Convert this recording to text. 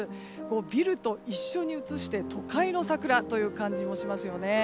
ビルと一緒に写して都会の桜という感じもしますね。